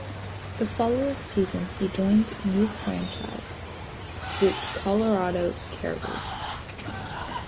The following season he joined new franchise the Colorado Caribous.